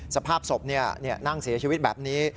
สภาพศพนั่งเสียชีวิตแบบนี้